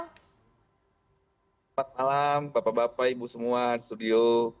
selamat malam bapak bapak ibu semua studio